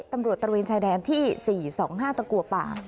ตำรวจตระเวนชายแดนที่๔๒๕ตะกรับป่า